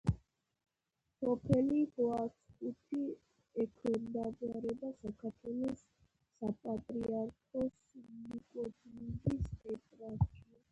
სოფელი კვაცხუთი ექვემდებარება საქართველოს საპატრიარქოს ნიკორწმინდის ეპარქიას.